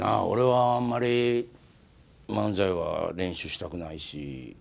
俺はあんまり漫才は練習したくないし。